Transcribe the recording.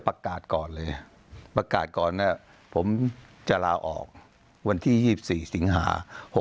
ประกาศก่อนผมจะลาออกวันที่๒๔สิงหา๖๕